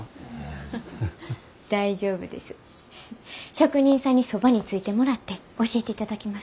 職人さんにそばについてもらって教えていただきます。